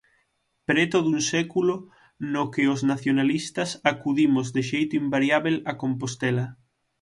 Preto dun século no que os nacionalistas acudimos de xeito invariábel a Compostela.